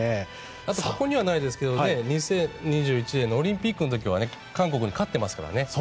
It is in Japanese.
あと、ここにはないですが２０２１年のオリンピックの時は韓国に勝ってますからね。